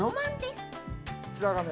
こちらがね